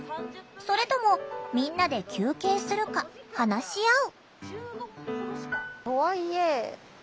それともみんなで休憩するか話し合う。